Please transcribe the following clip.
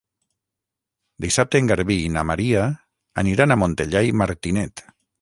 Dissabte en Garbí i na Maria aniran a Montellà i Martinet.